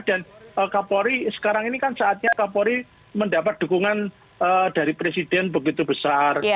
dan kapolri sekarang ini kan saatnya kapolri mendapat dukungan dari presiden begitu besar